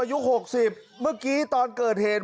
อายุ๖๐เมื่อกี้ตอนเกิดเหตุ